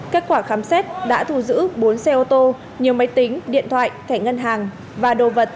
kết quả khám xét đã thu giữ bốn xe ô tô nhiều máy tính điện thoại thẻ ngân hàng và đồ vật